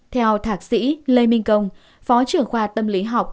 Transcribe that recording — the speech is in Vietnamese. theo thạc sĩ lê minh công phó trưởng khoa tâm lý học